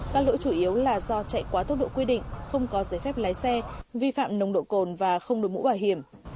các lỗi chủ yếu là do chạy quá tốc độ quy định không có giấy phép lái xe vi phạm nồng độ cồn và không đổi mũ bảo hiểm